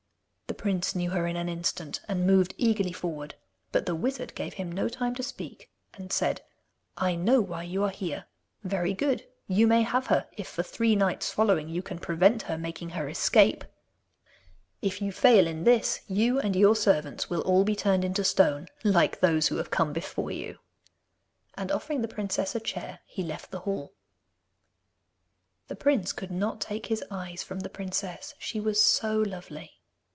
The prince knew her in an instant, and moved eagerly forward; but the wizard gave him no time to speak, and said: 'I know why you are here. Very good; you may have her if for three nights following you can prevent her making her escape. If you fail in this, you and your servants will all be turned into stone, like those who have come before you.' And offering the princess a chair, he left the hall. The prince could not take his eyes from the princess, she was so lovely!